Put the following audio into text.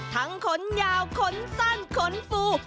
ขนยาวขนสั้นขนฟู